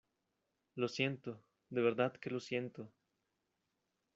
lo siento, de verdad que lo siento.